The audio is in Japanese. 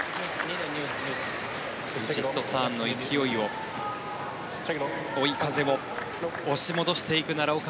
ヴィチットサーンの勢いを追い風を押し戻していく奈良岡